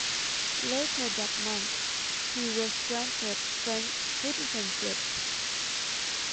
Later that month he was granted French citizenship.